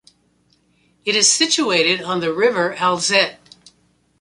It is situated on the river Alzette.